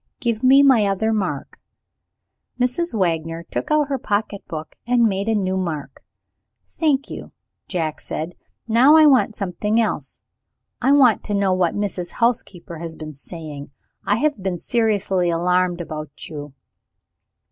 Give me my other mark." Mrs. Wagner took out her pocket book and made the new mark. "Thank you," said Jack. "Now I want something else. I want to know what Mrs. Housekeeper has been saying. I have been seriously alarmed about you."